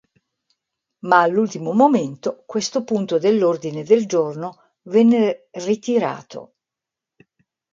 Ma all'ultimo momento, questo punto dell'ordine del giorno venne ritirato.